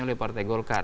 oleh partai golkar